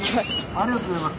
ありがとうございます。